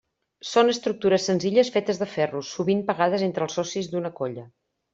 Són estructures senzilles fetes de ferro, sovint pagades entre els socis d'una colla.